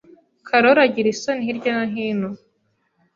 Karoli agira isoni hirya no hino.